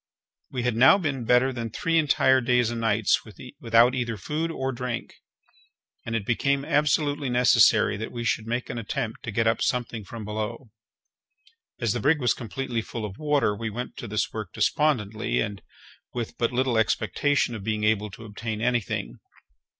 We had now been better than three entire days and nights without either food or drink, and it became absolutely necessary that we should make an attempt to get up something from below. As the brig was completely full of water, we went to this work despondently, and with but little expectation of being able to obtain anything.